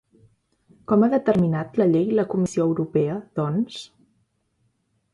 Com ha determinat la llei la Comissió Europea, doncs?